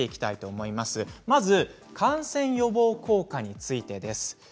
まず感染予防効果についてです。